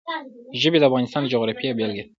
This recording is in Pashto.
ژبې د افغانستان د جغرافیې بېلګه ده.